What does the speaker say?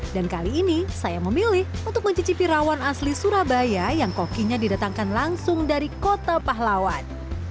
dan kali ini saya memilih untuk mencicipi rawon asli surabaya yang kokinya didatangkan langsung dari kota pahlawan